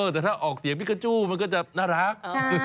แต่ถ้าออกเสียงพิกาจู้มันก็จะน่ารัก